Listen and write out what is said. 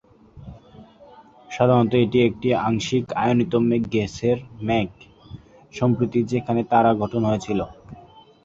সাধারণত, এটি একটি আংশিক আয়নিত গ্যাসের মেঘ, সম্প্রতি যেখানে তারা গঠন হয়েছিল।